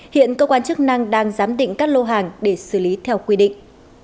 hiện cơ quan chức năng đang giám định các lô hàng để xử lý theo quy định